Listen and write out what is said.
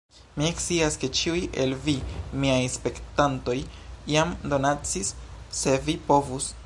Mi scias ke ĉiuj el vi, miaj spektantoj jam donacis se vi povus